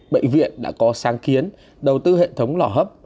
bệnh viện đã có sáng kiến đầu tư hệ thống lò hấp